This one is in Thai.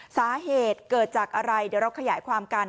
สาเหตุเกิดจากอะไรเดี๋ยวเราขยายความกัน